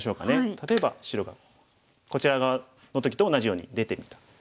例えば白がこちら側の時と同じように出てみた。